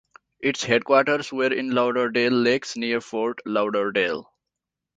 Its headquarters were in Lauderdale Lakes, near Fort Lauderdale.